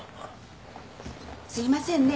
すいませんね。